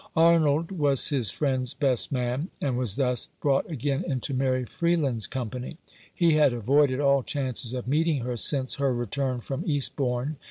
Arnold was his friend's best man, and was thus brought again into Maty Freeland's company. He had avoided all chances of meeting her since her return from Eastbourne.